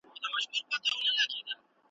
دوی تماشې ته ورلره راسي `